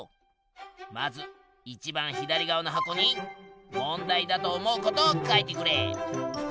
まずいちばん左側の箱に問題だと思う事を書いてくれ。